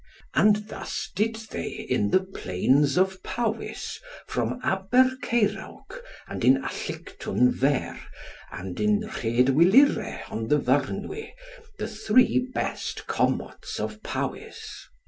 And thus did they in the plains of Powys from Aber Ceirawc, and in Allictwn Ver, and in Rhyd Wilure, on the Vyrnwy, the three best Commots of Powys.